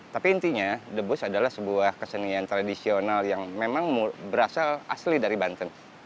tapi intinya debus adalah sebuah kesenian tradisional yang memang berasal asli dari banten